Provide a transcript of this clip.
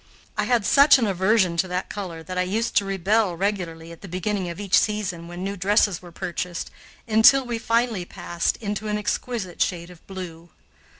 I had such an aversion to that color that I used to rebel regularly at the beginning of each season when new dresses were purchased, until we finally passed into an exquisite shade of blue.